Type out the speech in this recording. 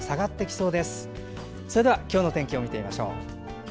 それでは今日の天気を見てみましょう。